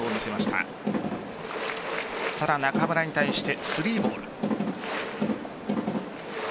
ただ中村に対して３ボール。